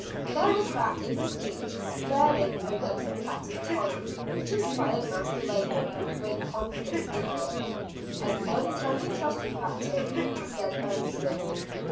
There was that in the speech, bearing and looks of Captain Tolley which inspired Master Raymond with great confidence in him. "I feel that I may trust you, Captain," he said earnestly.